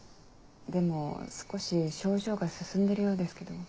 でも少し症状が進んでるようですけど。